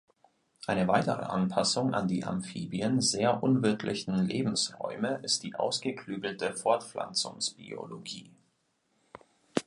Eine weitere Anpassung an die für Amphibien sehr unwirtlichen Lebensräume ist die ausgeklügelte Fortpflanzungsbiologie.